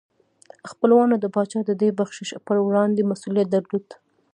خپلوانو د پاچا د دې بخشش په وړاندې مسؤلیت درلود.